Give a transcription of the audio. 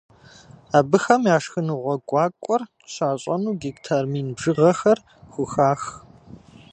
Абыхэм а шхыныгъуэ гуакӏуэр щащӏэну гектар мин бжыгъэхэр хухах.